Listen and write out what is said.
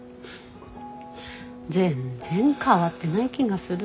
全然変わってない気がする。